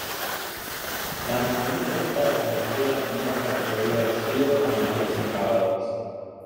La anatomía de las patas delanteras muestra que podrían haber sido animales excavadores.